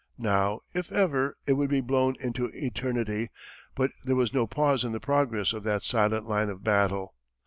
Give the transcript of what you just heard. Now, if ever, it would be blown into eternity, but there was no pause in the progress of that silent line of battle.